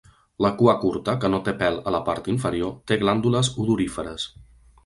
La cua curta, que no té pèl a la part inferior, té glàndules odoríferes.